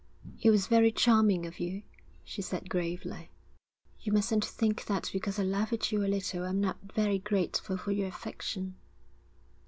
'It was very charming of you,' she said gravely. 'You mustn't think that because I laugh at you a little, I'm not very grateful for your affection.'